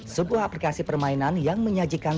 sebuah aplikasi permainan yang menyajikan